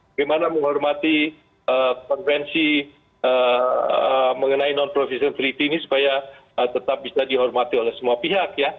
bagaimana menghormati konvensi mengenai non provision treaty ini supaya tetap bisa dihormati oleh semua pihak ya